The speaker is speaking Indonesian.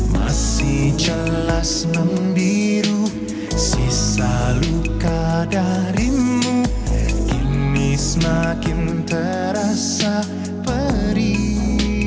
masih jelas namun biru sisa luka darimu kini semakin terasa perih